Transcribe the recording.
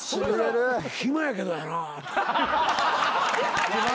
「暇やけどやな」